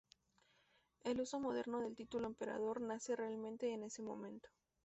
El uso moderno del título emperador nace realmente en ese momento.